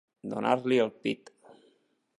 Donar-li el pit.